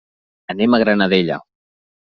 Anem a la Granadella.